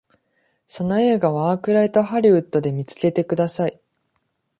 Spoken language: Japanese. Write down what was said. その映画は、アークライト・ハリウッドで見つけてください。